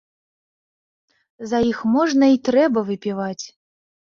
За іх можна й трэба выпіваць.